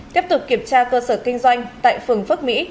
tiếp tục kiểm tra cơ sở kinh doanh tại phường phước mỹ